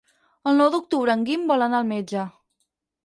El nou d'octubre en Guim vol anar al metge.